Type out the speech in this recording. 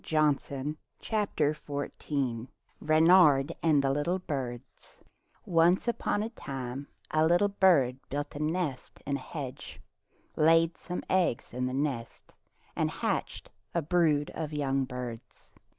REYNARD AND THE LITTLE BIRDS REYNARD AND THE LITTLE BIRDS O NCE upon a time a little bird built a nest in a hedge, laid some eggs in the nest, and hatched a brood of young birds.